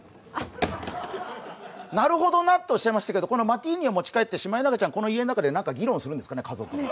「なるほどな」っておっしゃいましたけど、このマティーニカットを持ち帰ってシマエナガちゃんこの家の中で議論するんですかね。